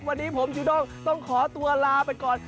วันนี้ผมจูด้งต้องขอตัวลาไปก่อน